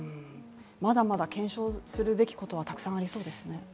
まだまだ検証するべきことはたくさんありそうですね。